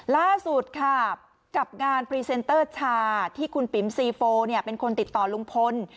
ล่าสุดค่ะกับงานพรีเซนเตอร์ชาที่คุณปิ๋มซีโฟเป็นคนติดต่อลุงพล